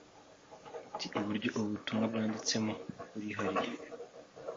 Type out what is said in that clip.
Ati “Uburyo ubu butumwa bwanditsemo burihariye